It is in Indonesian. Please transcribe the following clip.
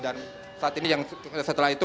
dan saat ini setelah itu